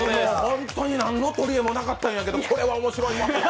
ホントに何のとりえもなかったんやけどこれは面白いわ！